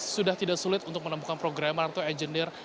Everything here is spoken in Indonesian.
sudah tidak sulit untuk menemukan programmer atau engineer